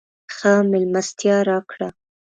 ښه مېلمستیا راکړه.